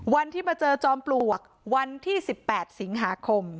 วันที่มาเจอจอมปลวกวันที่๑๘สิงหาคม